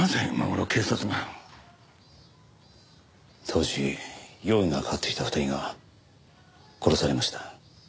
当時容疑がかかっていた２人が殺されました。